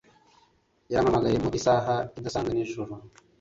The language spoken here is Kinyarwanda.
Yarampamagaye mu isaha idasanzwe nijoro.